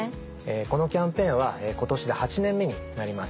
このキャンペーンは今年で８年目になります。